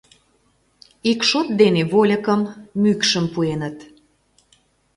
Ик шот дене вольыкым, мӱкшым пуэныт.